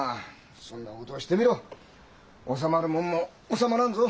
そんなことをしてみろ収まるもんも収まらんぞ。